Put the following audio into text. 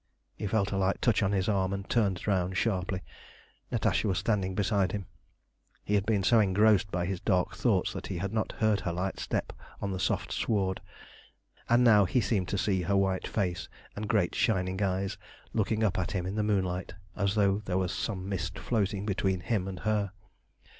He felt a light touch on his arm, and turned round sharply. Natasha was standing beside him. He had been so engrossed by his dark thoughts that he had not heard her light step on the soft sward, and now he seemed to see her white face and great shining eyes looking up at him in the moonlight as though there was some mist floating between him and her.